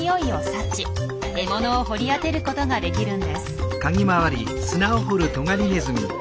獲物を掘り当てることができるんです。